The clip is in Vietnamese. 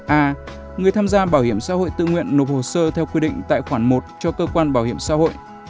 a người tham gia bảo hiểm xã hội tự nguyện nộp hồ sơ theo quy định tại khoản một cho cơ quan bảo hiểm xã hội